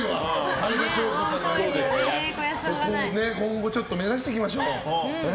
そこを今後目指していきましょう。